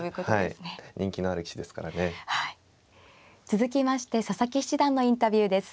続きまして佐々木七段のインタビューです。